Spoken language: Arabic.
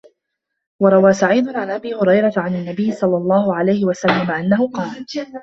وَرَوَى سَعِيدٌ عَنْ أَبِي هُرَيْرَةَ عَنْ النَّبِيِّ صَلَّى اللَّهُ عَلَيْهِ وَسَلَّمَ أَنَّهُ قَالَ